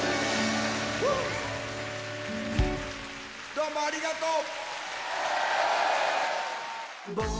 どうもありがとう！